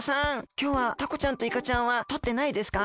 きょうはタコちゃんとイカちゃんはとってないですか？